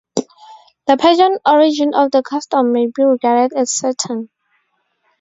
The pagan origin of the custom may be regarded as certain.